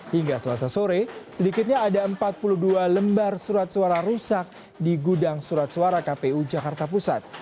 hingga selasa sore sedikitnya ada empat puluh dua lembar surat suara rusak di gudang surat suara kpu jakarta pusat